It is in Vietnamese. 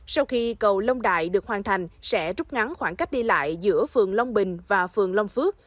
sau khi cầu long đại được hoàn thành sẽ trút ngắn khoảng cách đi lại giữa phường long bình và phường long phước